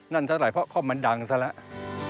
นั่นเท่าไหร่เพราะข้อมันดังซะแล้ว